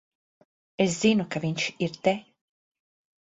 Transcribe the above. Es zinu, ka viņš ir te.